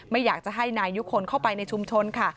ไม่อยากจะให้นายยุคลเข้าไปในชุมชนค่ะ